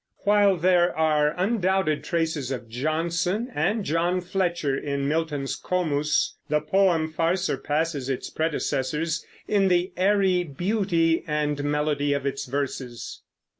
While there are undoubted traces of Jonson and John Fletcher in Milton's "Comus," the poem far surpasses its predecessors in the airy beauty and melody of its verses.